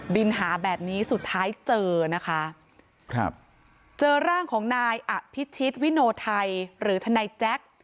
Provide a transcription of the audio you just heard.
บินหาแบบนี้สุดท้ายเจอนะคะครับเจอร่างของนายอภิชิตวิโนไทยหรือทนายแจ๊ค